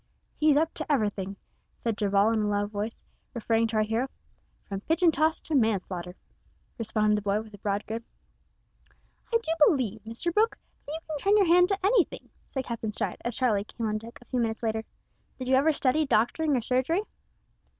"He's up to everything," said Darvall in a low voice, referring to our hero. "From pitch and toss to manslaughter," responded the boy, with a broad grin. "I do believe, Mr Brooke, that you can turn your hand to anything," said Captain Stride, as Charlie came on deck a few minutes later. "Did you ever study doctoring or surgery?"